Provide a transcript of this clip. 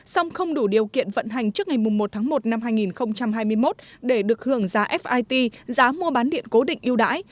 song không đủ điều kiện vận hành trước ngày một tháng một năm hai nghìn hai mươi một để được hưởng giá fit giá mua bán điện cố định ưu đãi